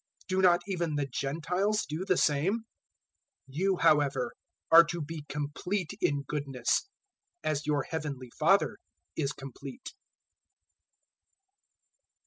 Do not even the Gentiles do the same? 005:048 You however are to be complete in goodness, as your Heavenly Father is complete.